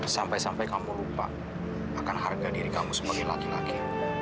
sampai sampai kamu lupa akan harga diri kamu sebagai laki laki